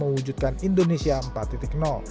serta berkaitan dengan kembang kembang